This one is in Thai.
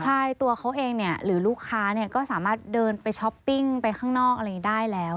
ใช่ตัวเขาเองเนี่ยหรือลูกค้าก็สามารถเดินไปช้อปปิ้งไปข้างนอกอะไรอย่างนี้ได้แล้ว